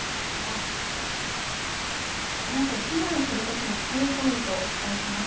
このあと避難するときの注意ポイントお伝えします。